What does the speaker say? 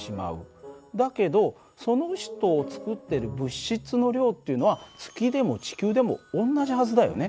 だけどその人を作っている物質の量っていうのは月でも地球でも同じはずだよね。